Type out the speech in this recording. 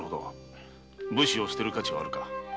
武士を棄てる価値はあるか？